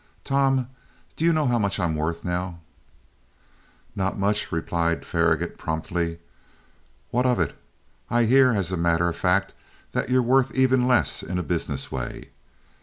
"Tom, do you know how much I'm worth now?" "Not much," replied Faragaut promptly. "What of it? I hear, as a matter of fact that you're worth even less in a business way.